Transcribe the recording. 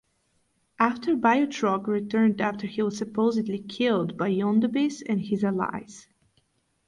After Biotrog returned after he was supposedly killed by Yondabis and his allies.